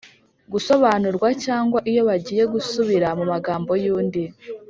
gusobanurwa cyangwa iyo bagiye gusubira mu magambo y‟undi.